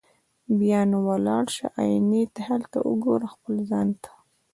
بیا نو ولاړ سه آیینې ته هلته وګوره خپل ځان ته